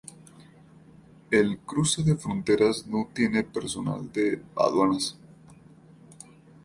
El cruce de fronteras no tiene personal de aduanas.